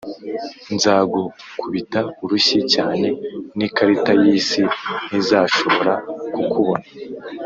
nzagukubita urushyi cyane ni karita yisi ntizashobora kukubona.